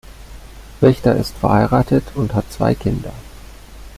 Richter ist verheiratet und hat zwei Kinder.